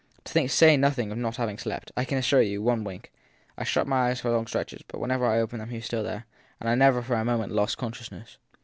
To say nothing of not having slept, I can assure you, one wink. I shut my eyes for long stretches, but whenever I opened them he was still there, and I never for a moment lost consciousness.